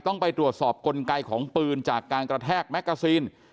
ต้องไปตรวจสอบกลไกของปืนจากการกระแทกแมกกาซีน